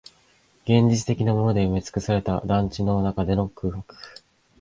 現実的なもので埋めつくされた団地の中での空白